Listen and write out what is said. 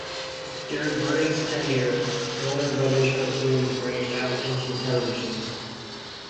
During Burton's tenure, Warner Brothers Cartoons branched out into television.